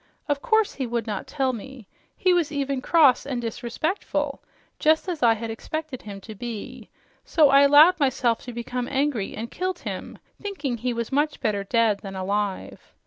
Of course, he would not tell me. He was even cross and disrespectful, just as I had expected him to be, so I allowed myself to become angry and killed him, thinking he was much better dead than alive.